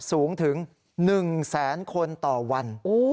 สูงถึง๑แสนคนต่อวัน